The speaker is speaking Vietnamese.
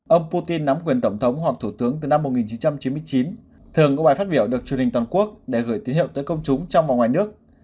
ông putin nắm quyền tổng thống hoặc thủ tướng từ năm một nghìn chín trăm chín mươi chín thường có bài phát biểu được truyền hình toàn quốc để gửi tín hiệu tới công chúng trong và ngoài nước